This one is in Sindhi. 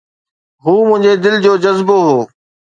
هو منهنجي دل جو جذبو هو